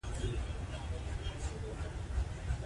د دغه پېښو په اړه د فکري ، سمتي